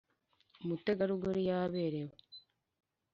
Umutegarugori yaberewe